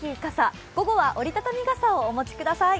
午前中は大きい傘、午後は折り畳み傘をお持ちください。